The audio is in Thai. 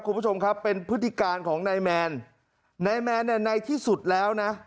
คุณผู้ชมครับเป็นพฤติการของนายแมนนายแมนเนี่ยในที่สุดแล้วนะ